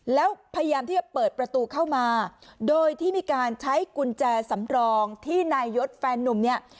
แล้วพยายามที่จะเปิดประตูเข้ามาโดยที่มีการใช้กุญแจสำรองที่นายยศแฟนนุ่มเนี่ย